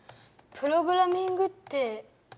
プログラミングって。